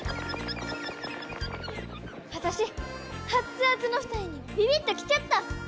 私アッツアツの２人にビビッときちゃった。